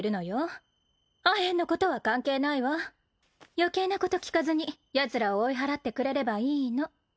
余計なこと聞かずにやつらを追い払ってくれればいいの。